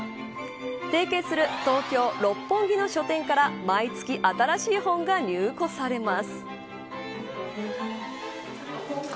提携する東京、六本木の書店から毎月、新しい本が入庫されます。